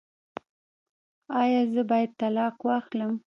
ایا زه باید طلاق واخلم؟